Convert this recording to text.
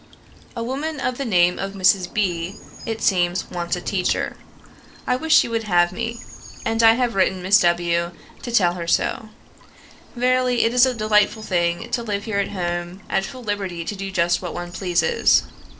"A woman of the name of Mrs. B., it seems, wants a teacher. I wish she would have me; and I have written to Miss W. to tell her so. Verily, it is a delightful thing to live here at home, at full liberty to do just what one pleases.